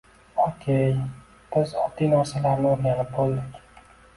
Okey, biz oddiy narsalarni o’rganib bo’ldik